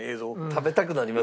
食べたくなりますよ。